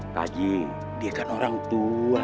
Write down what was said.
haji dia kan orang tua